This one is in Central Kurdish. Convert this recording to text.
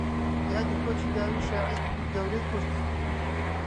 یادی کۆچی داوی شاعیری گەورەی کورد